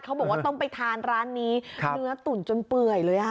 เขาบอกว่าต้องไปทานร้านนี้เนื้อตุ๋นจนเปื่อยเลย